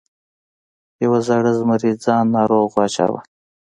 یو زاړه زمري ځان ناروغ واچاوه.